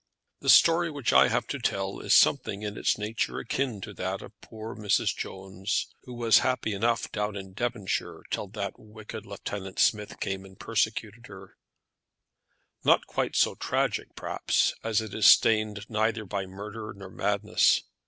The story which I have to tell is something in its nature akin to that of poor Mrs. Jones, who was happy enough down in Devonshire till that wicked Lieutenant Smith came and persecuted her; not quite so tragic, perhaps, as it is stained neither by murder nor madness.